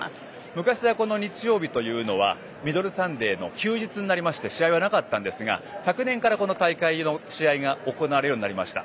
昔は日曜日というのはミドルサンデーの休日になりまして試合はなかったんですが昨年からこの大会の試合が行われるようになりました。